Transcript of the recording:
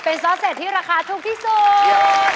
เป็นซอสเศษที่ราคาถูกที่สุด